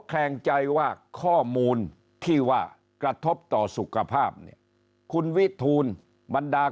แคลงใจว่าข้อมูลที่ว่ากระทบต่อสุขภาพเนี่ยคุณวิทูลบรรดา